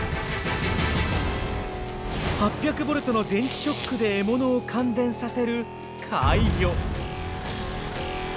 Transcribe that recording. ８００ボルトの電気ショックで獲物を感電させる怪魚。